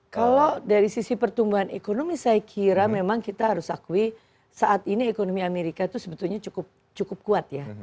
kalau dari sisi pertumbuhan ekonomi saya kira memang kita harus akui saat ini ekonomi amerika itu sebetulnya cukup kuat ya